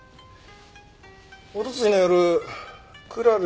おとついの夜クラル